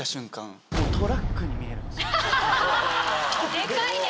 でかいね！